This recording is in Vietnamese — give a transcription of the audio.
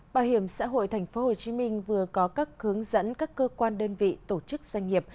bảo hiểm xã hội tp hcm vừa có các hướng dẫn các cơ quan đơn vị tổ chức doanh nghiệp